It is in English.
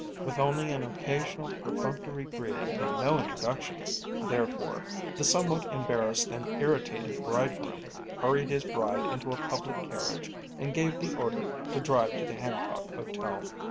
With only an occasional perfunctory greeting, and no introductions, therefore, the somewhat embarrassed and irritated bridegroom hurried his bride into a public carriage, and gave the order to drive to the Hancock Hotel.